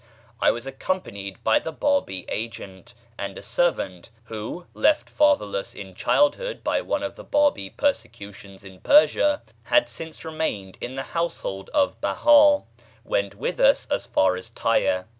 I was accompanied by the Bábí agent; and a servant, who, left fatherless in childhood by one of the Bábí persecutions in Persia, had since remained in the household of Behá, went with us as far as Tyre.